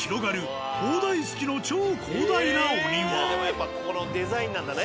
やっぱここのデザインなんだね。